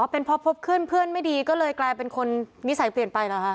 เป็นพอพบขึ้นเพื่อนไม่ดีก็เลยกลายเป็นคนนิสัยเปลี่ยนไปเหรอคะ